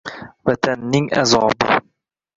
Vatanning azobi